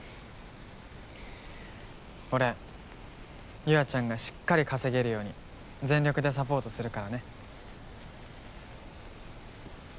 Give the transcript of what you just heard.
俺優愛ちゃんがしっかり稼げるように全力でサポートするからね。